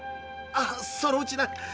ああそのうちな。